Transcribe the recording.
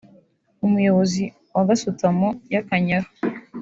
Umuyobozi wa Gasutamo y’Akanyaru